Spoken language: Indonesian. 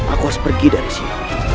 aku harus pergi dari sini